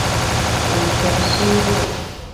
五權西路